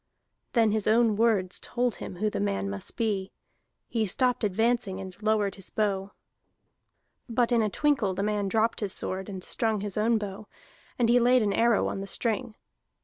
Then his own words told him who the man must be; he stopped advancing, and lowered his bow. But in a twinkle the man dropped his sword and strung his own bow, and he laid an arrow on the string.